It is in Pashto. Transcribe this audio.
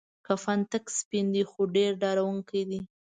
کفن تک سپین دی خو ډیر ډارونکی دی.